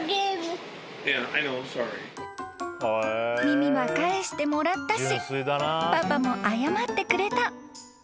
［耳は返してもらったしパパも謝ってくれた］